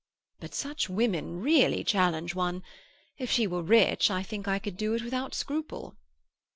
"But such women really challenge one. If she were rich, I think I could do it without scruple."